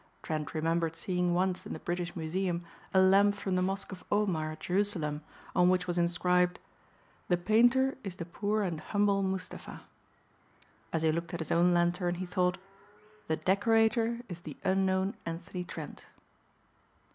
Trent remembered seeing once in the British Museum a lamp from the Mosque of Omar at Jerusalem on which was inscribed, "The Painter is the poor and humble Mustafa." As he looked at his own lantern he thought, "The Decorator is the unknown Anthony Trent."